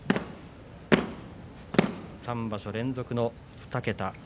３場所連続の２桁